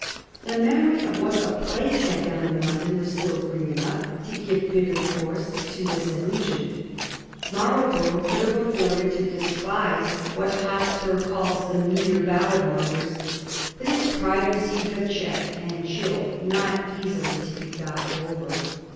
The memory of what the Plague had done in London was still green enough to give bitter force to this allusion. Marlborough could have afforded to despise what Digiti zed by Google 1714 THE NEW LORDS JUSTICES. 71 Hotspur calls the 'metre ballad mongers,' but his pride received a check and chili not easily to be got over.